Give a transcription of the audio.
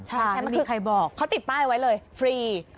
ใช่มันคือใครบอกเขาติดป้ายไว้เลยฟรี